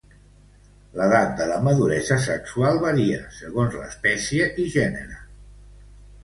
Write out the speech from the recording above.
L'edat de la maduresa sexual varia segons l'espècie i gènere.